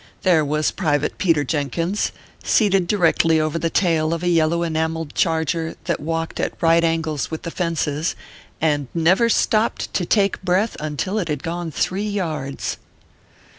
There was private ORPHEUS C. KERB PAPERS. 215 Peter Jenkins, seated directly over the tail of a yel low enameled charger, that walked at right angles with the fences, and never stopped to take breath until it had gone three yards.